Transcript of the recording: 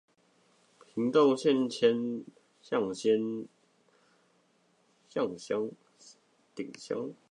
屏東縣崁頂鄉和潮州鎮交界